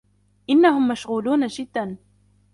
انهم مشغولون جدا.